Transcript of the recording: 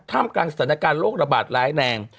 กลางสถานการณ์โรคระบาดร้ายแรง